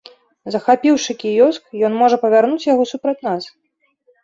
Захапіўшы кіёск, ён можа павярнуць яго супраць нас!